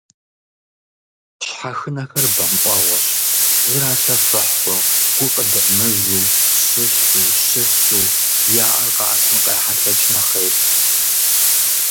Щхьэхынэхэр бампӀэгъуэщ: зралъэфыхьу, гукъыдэмыжу, щылъу, щысу, я Ӏэр къаӀэтын къайхьэлъэкӀ нэхъей.